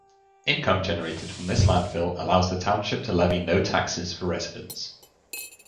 Income generated from this landfill allows the township to levy no taxes for residents.